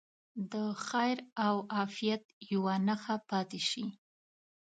د خیر او عافیت یوه نښه پاتې شي.